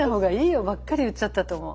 母にばっかり言っちゃったと思う。